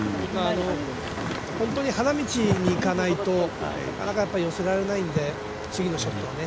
本当に花道に行かないとなかなか寄せられないんで次のショットをね。